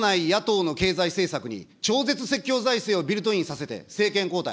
骨のない野党の経済政策に超絶積極財政をビルトインさせて、政権交代。